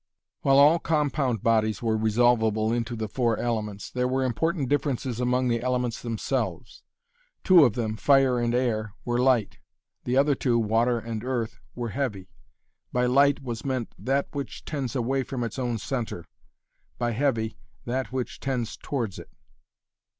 While all compound bodies were resolvable into the four elements, there were important differences among the elements, themselves. Two of them, fire and air, were light; the other two, water and earth, were heavy. By 'light' was meant that which tends away from its own centre, by 'heavy,' that which, tends towards it.